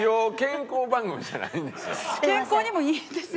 健康にもいいんですよ